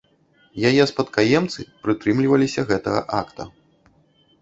Яе спадкаемцы прытрымліваліся гэтага акта.